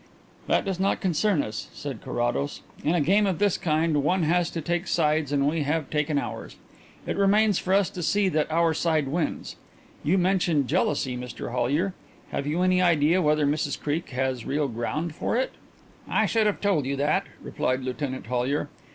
"That does not concern us," said Carrados. "In a game of this kind one has to take sides and we have taken ours. It remains for us to see that our side wins. You mentioned jealousy, Mr Hollyer. Have you any idea whether Mrs Creake has real ground for it?" "I should have told you that," replied Lieutenant Hollyer.